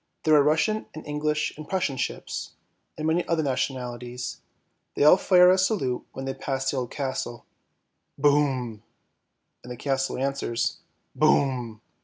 There are Russian and English and Prussian ships, and many other nationalities; they all fire a salute when they pass the old castle; " boom," and the castle answers, " boom."